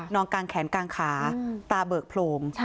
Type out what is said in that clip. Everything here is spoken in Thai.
กลางแขนกลางขาตาเบิกโพรง